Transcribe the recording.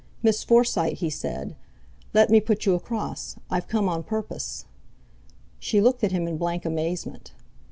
"Miss Forsyte," he said; "let me put you across. I've come on purpose." She looked at him in blank amazement.